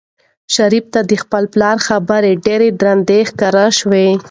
شریف ته د خپل پلار خبره ډېره درنه ښکاره شوه.